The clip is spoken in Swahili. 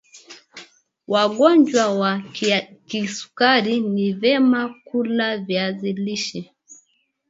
wagonjwa wa kisukari ni vyema kula viazi lishe